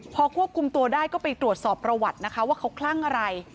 พอควบคุมตัวได้ก็ไปตรวจสอบประวัตินะคะว่าเขาคลั่งอะไร